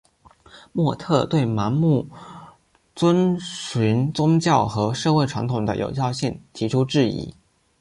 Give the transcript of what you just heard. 莫特对盲目遵循宗教和社会传统的有效性提出质疑。